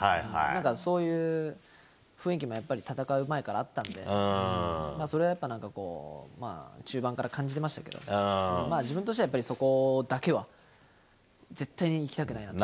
なんかそういう雰囲気もやっぱり、戦う前からあったんで、それはやっぱ、なんかこう、中盤から感じてましたけど、自分としてはやっぱりそこだけは、絶対にいきたくないなと。